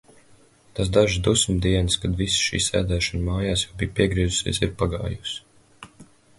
Tās dažas dusmu dienas, kad visa šī sēdēšana mājās jau bija piegriezusies, ir pagājusi.